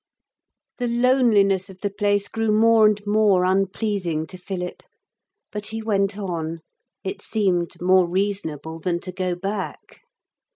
The loneliness of the place grew more and more unpleasing to Philip. But he went on. It seemed more reasonable than to go back.